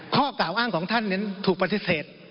ข้อเก่าอ้างของท่านถึงถูกปฏิเสธ